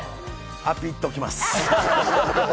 アピっときます。